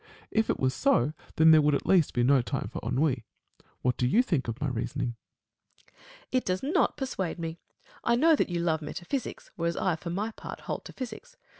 If it were so, then there would at least be no time for ennui. What do you think of my reasoning ? JVat. Phil. It does not persuade me. I know that you love metaphysics, whereas I for my part hold to physics.